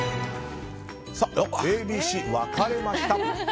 ＡＢＣ分かれました。